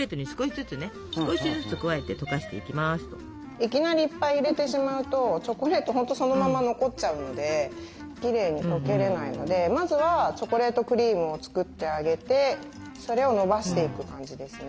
いきなりいっぱい入れてしまうとチョコレート本当そのまま残っちゃうのできれいにとけれないのでまずはチョコレートクリームを作ってあげてそれをのばしていく感じですね。